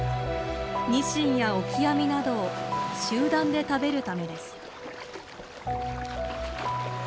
ニシンやオキアミなどを集団で食べるためです。